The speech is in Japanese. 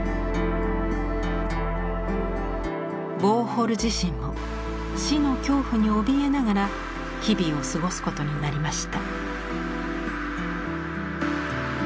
ウォーホル自身も死の恐怖におびえながら日々を過ごすことになりました。